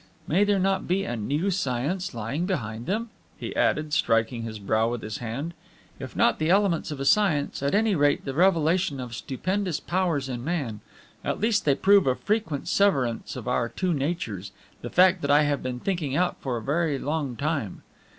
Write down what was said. May there not be a new science lying beneath them?" he added, striking his brow with his hand. "If not the elements of a science, at any rate the revelation of stupendous powers in man; at least they prove a frequent severance of our two natures, the fact I have been thinking out for a very long time.